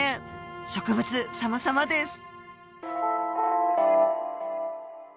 植物さまさまです。